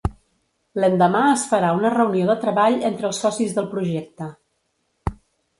L'endemà es farà una reunió de treball entre els socis del projecte.